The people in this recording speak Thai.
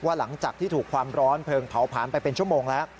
หลังจากที่ถูกความร้อนเพลิงเผาผ่านไปเป็นชั่วโมงแล้ว